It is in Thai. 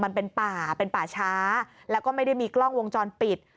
มันเป็นป่าเป็นป่าช้าแล้วก็ไม่ได้มีกล้องวงจรปิด